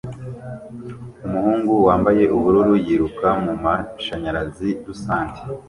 Umuhungu wambaye ubururu yiruka mumashanyarazi rusange